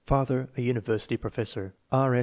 Father a university professor. E. S.